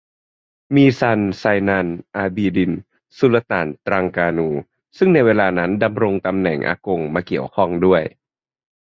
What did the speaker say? มีซัน ไซนัล อาบีดิน สุลต่านตรังกานู ซึ่งในเวลานั้นดำรงตำแหน่งอากงมาเกี่ยวข้องด้วย